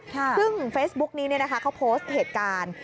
ซึ่งเฟซบุ๊กนี้เขาโพสต์เหตุการณ์